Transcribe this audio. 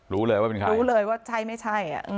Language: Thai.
รู้เลยว่าเป็นใครรู้เลยว่าใช่ไม่ใช่